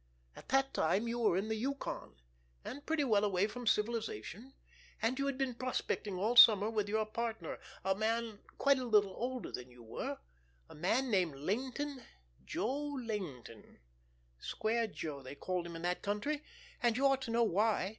At that time you were in the Yukon, and pretty well away from civilization, and you had been prospecting all summer with your partner, a man quite a little older than you were, a man named Laynton, Joe Laynton—Square Joe, they called him in that country, and you ought to know why.